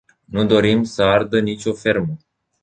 Nu dorim să ardă nicio fermă.